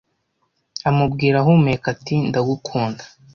Amubwira ahumeka, ati: "Ndagukunda."